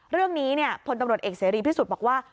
เรื่องนี้พลตำรวจเอกเสรีพิสุทธิ์บอกว่า